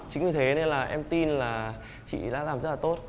chính vì thế nên là em tin là chị đã làm rất là tốt